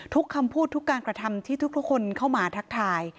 คำพูดทุกการกระทำที่ทุกคนเข้ามาทักทาย